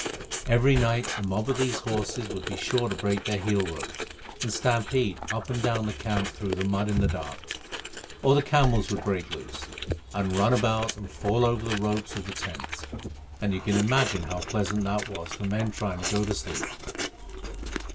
Every night a mob of these horses would be sure to break their heel ropes and stampede up and down the camp through the mud in the dark, or the camels would break loose and run about and fall over the ropes of the tents, and you can imagine how pleasant that was for men trying to go to sleep.